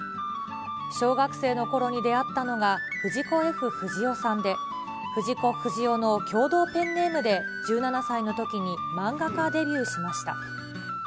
小学生のころに出会ったのが、藤子・Ｆ・不二雄さんで、藤子不二雄の共同ペンネームで１７歳のときに漫画家デビューしました。